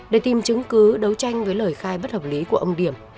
để tìm chứng cứ đấu tranh với lời khai bất hợp lý của ông điểm